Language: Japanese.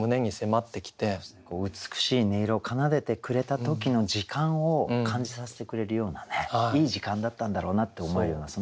美しい音色を奏でてくれた時の時間を感じさせてくれるようなねいい時間だったんだろうなって思えるようなそんな句ですよね。